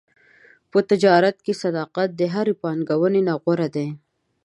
په تجارت کې صداقت د هرې پانګونې نه غوره دی.